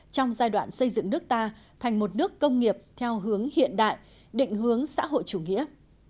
trong giai đoạn xây dựng nước ta thành một nước công nghiệp theo hướng hiện đại định hướng xã hội chủ nghĩa